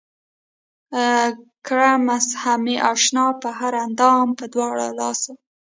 کړه مسحه مې اشنا پۀ هر اندام پۀ دواړه لاسه